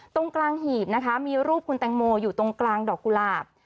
ตรงกลางหีบนะคะมีรูปคุณแตงโมอยู่ตรงกลางดอกกุหลาบ